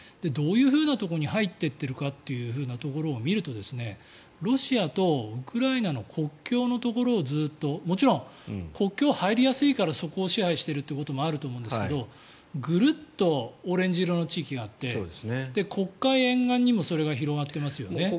どういうふうなところに入っていってるかというところを見るとロシアとウクライナの国境のところをずっともちろん国境、入りやすいからそこを支配しているというところもあると思うんですけどもグルッとオレンジ色の地域があって黒海沿岸にもそれが広がっていますよね。